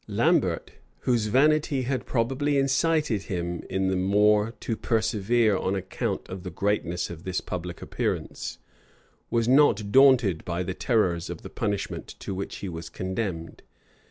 [*] Lambert, whose vanity had probably incited him the more to persevere on account of the greatness of this public appearance, was not daunted by the terrors of the punishment to which he was condemned.